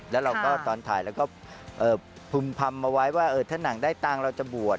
แล้วเราก็ตอนถ่ายเราก็พึ่มพำมาไว้ว่าถ้าหนังได้ตังค์เราจะบวช